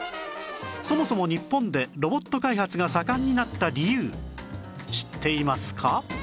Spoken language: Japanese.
そもそも日本でロボット開発が盛んになった理由知っていますか？